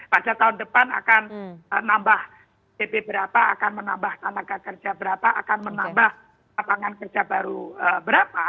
pada tahun depan akan nambah bp berapa akan menambah tenaga kerja berapa akan menambah lapangan kerja baru berapa